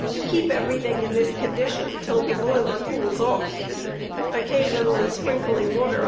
Keep everything in this condition till the boiler cools off, occasionally sprinkling water on ' 3LK* 18.